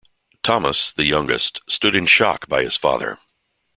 Thomas, the youngest, stood in shock by his father.